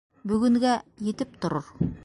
Бөгөнгә... етеп торор.